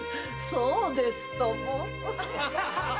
そうですとも。